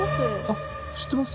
あっ知ってます？